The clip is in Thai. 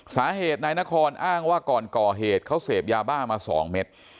สาเหตุนายนครอ้างว่าก่อนก่อเหตุเขาเสพยาบ้ามา๒เม็ด